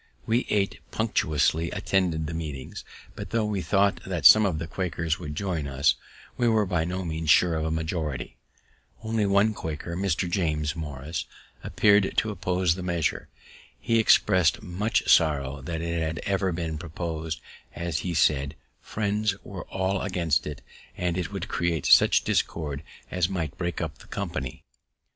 We eight punctually attended the meeting; but, tho' we thought that some of the Quakers would join us, we were by no means sure of a majority. Only one Quaker, Mr. James Morris, appear'd to oppose the measure. He expressed much sorrow that it had ever been propos'd, as he said Friends were all against it, and it would create such discord as might break up the company.